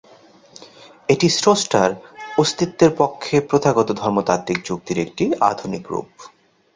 এটি স্রষ্টার অস্তিত্বের পক্ষে প্রথাগত ধর্মতাত্ত্বিক যুক্তির একটি আধুনিক রূপ।